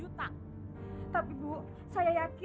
suatu suatu penridge yang tak demokratis